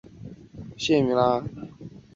元朝末设有团练安辅劝农使来镇压农民起义。